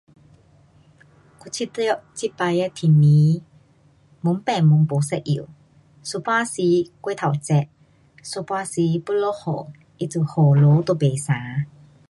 我觉得这次的天气，越变越不一样，有半时过头热，有半时要落雨，它就雨落都不晴。